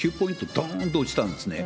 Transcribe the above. どーんと落ちたんですよね。